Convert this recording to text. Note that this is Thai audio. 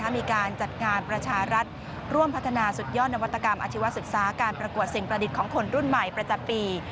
มีการจัดงานประชารัฐร่วมพัฒนาสุดยอดนวัตกรรมอาชีวศึกษาการประกวดสิ่งประดิษฐ์ของคนรุ่นใหม่ประจำปี